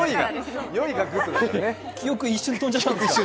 記憶、一瞬飛んじゃったんですか？